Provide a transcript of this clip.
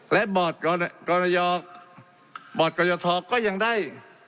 และบอร์ดกรยธอกก็ยังได้